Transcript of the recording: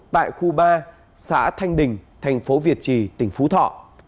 tại khu ba xã thanh đình thành phố việt trì tỉnh phú thọ